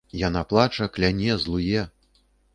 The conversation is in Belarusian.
Яна плача, кляне, злуе.